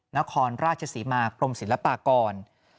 นครราชศรีมากรมศิลปากร